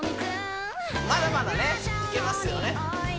まだまだねいけますよね